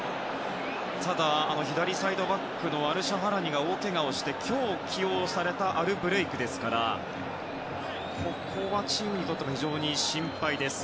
ただ、左サイドバックのアルシャハラニが大けがをして今日起用されたアルブレイクですからここはチームにとっても非常に心配です。